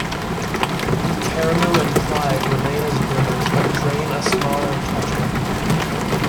The Karamu and Clive remain as rivers, but drain a smaller catchment.